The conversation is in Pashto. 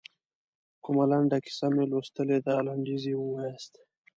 کومه لنډه کیسه مو لوستلې ده لنډیز یې ووایاست.